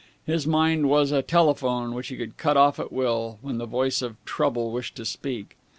His mind was a telephone which he could cut off at will, when the voice of Trouble wished to speak.